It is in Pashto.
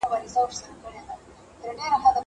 زه هره ورځ کتابونه وړم!